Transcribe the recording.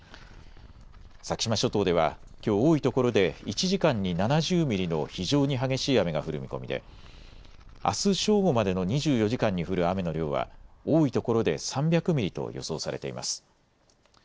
先島諸島ではきょう、多いところで１時間に７０ミリの非常に激しい雨が降る見込みであす正午までの２４時間に降る雨の量は多いところで３００ミリと予想されています。